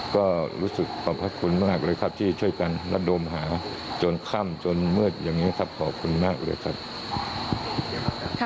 ก็รู้สึกขอบพระคุณมากเลยครับที่ช่วยกันระดมหาจนค่ำจนมืดอย่างนี้ครับขอบคุณมากเลยครับ